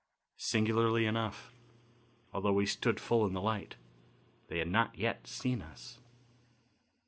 Singularly enough, although we stood full in the light, they had not yet seen us.